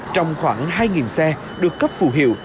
trong khoảng hai xe được cấp phù hiệu